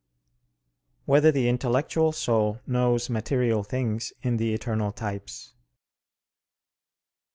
84, Art. 5] Whether the Intellectual Soul Knows Material Things in the Eternal Types?